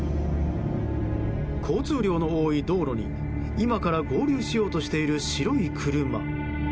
交通量の多い道路に今から合流しようとしている白い車。